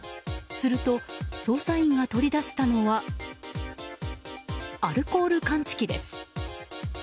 すると、捜査員が取り出したのはアルコール感知器です。